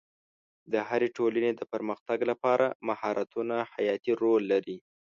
د هرې ټولنې د پرمختګ لپاره مهارتونه حیاتي رول لري.